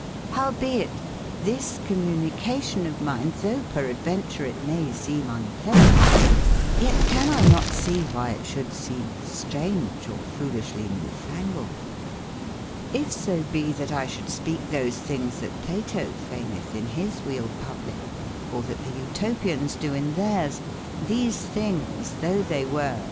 f)owebeit this communication of mine, thoughe peradventure it maye seme unplesaunte to them, yet can X not see why it shoulde seme straunge, or folishely newfangled. j^If so be that X should speake those thinges thatplatofaynethein his weale publique, or that the Qtopians doe in TThe Oto theires, these thinges thoughe they were